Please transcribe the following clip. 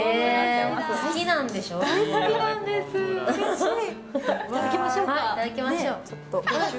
いただきましょうか。